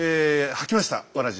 履きましたわらじ。